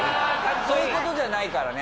そういう事じゃないからね。